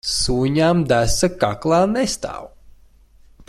Suņam desa kaklā nestāv.